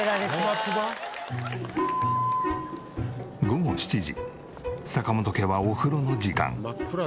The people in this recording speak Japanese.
午後７時坂本家はお風呂の時間。